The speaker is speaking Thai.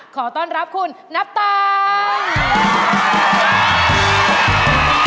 ขอต้อนรับคุณนับตาม